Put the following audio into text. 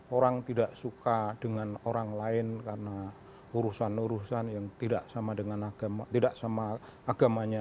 orang tidak suka dengan orang lain karena urusan urusan yang tidak sama dengan tidak sama agamanya